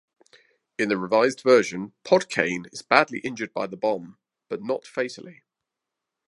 In the revised version, Podkayne is badly injured by the bomb, but not fatally.